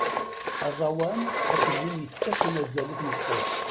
Aẓawan akked win yettakken azal i tmeṭṭut.